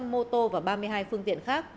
ba sáu trăm linh mô tô và ba mươi hai phương tiện